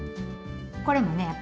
これもね